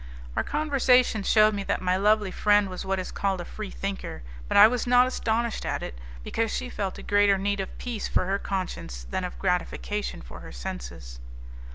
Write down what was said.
Our conversation shewed me that my lovely friend was what is called a Free thinker; but I was not astonished at it, because she felt a greater need of peace for her conscience than of gratification for her senses.